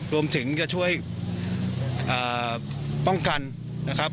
รวมถึงจะช่วยป้องกันนะครับ